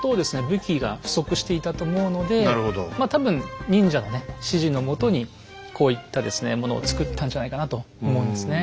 武器が不足していたと思うのでまあ多分忍者のね指示の下にこういったですねものを作ったんじゃないかなと思うんですね。